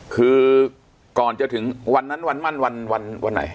คือก่อนจะถึงวันนั้นวันมั่นวันไหน